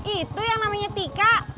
itu yang namanya tika